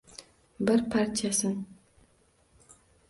Bir parchasin